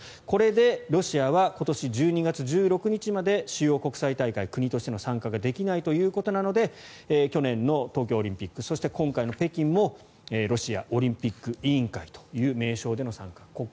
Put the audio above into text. これでロシアは今年１２月１６日まで主要国際大会、国としての参加ができないということなので去年の東京オリンピックそして今回の北京もロシアオリンピック委員会という名称での参加と。